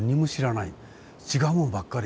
違うものばっかり。